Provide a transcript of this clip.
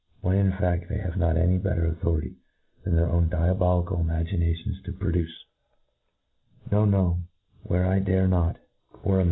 ; when ihfaa they have not any better authority thap their own diabolical ims^inatioflis to produce^ No^ no— wherie I daire not,, or am